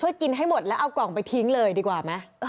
กินให้หมดแล้วเอากล่องไปทิ้งเลยดีกว่าไหม